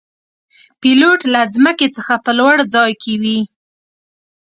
پیلوټ له ځمکې څخه په لوړ ځای کې وي.